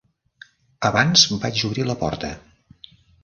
Abans vaig obrir la porta.